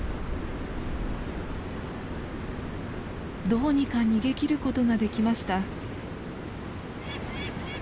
どうにか逃げきることができました。